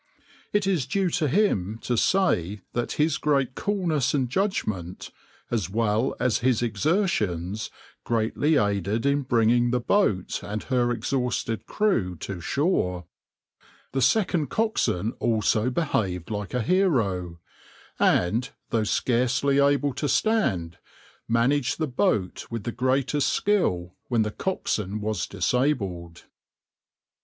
It is due to him to say that his great coolness and judgment, as well as his exertions, greatly aided in bringing the boat and her exhausted crew to shore. The second coxswain also behaved like a hero, and, though scarcely able to stand, managed the boat with the greatest skill when the coxswain was disabled.